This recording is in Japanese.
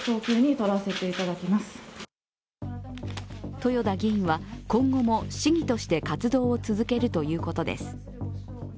豊田議員は、今後も市議として活動を続けるということです。